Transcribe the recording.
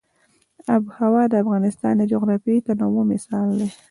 آب وهوا د افغانستان د جغرافیوي تنوع مثال دی.